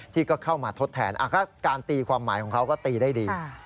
ที่ก็เข้ามาทดแทนการตีความหมายของเขาก็ตีได้ดี